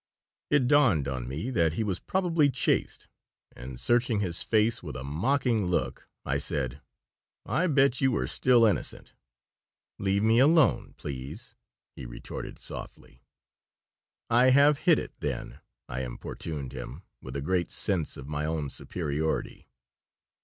It dawned upon me that he was probably chaste, and, searching his face with a mocking look, I said: "I bet you you are still innocent." "Leave me alone, please," he retorted, softly "I have hit it, then," I importuned him, with a great sense of my own superiority.